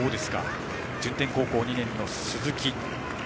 順天高校２年の鈴木。